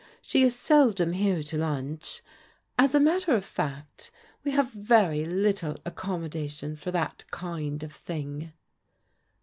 She is seldom here to lunch. As a matter of fact, we have very Uttle accommodation for that kind of thing."